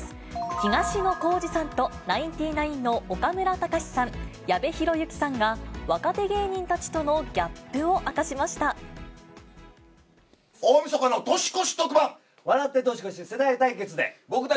東野幸治さんとナインティナインの岡村隆史さん、矢部浩之さんが、若手芸人たちとのギャップを明かしました。